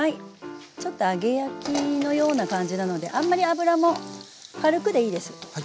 ちょっと揚げ焼きのような感じなのであんまり油も軽くでいいです。